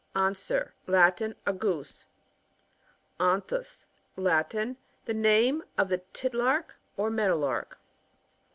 Anser. — Latin. A goose. ANTHns. — Latin.' Name ofthe Tit lark or Meadow hrk.